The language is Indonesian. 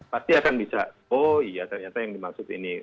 pasti akan bisa oh iya ternyata yang dimaksud ini